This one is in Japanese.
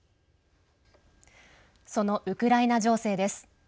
そのウクライナ情勢です。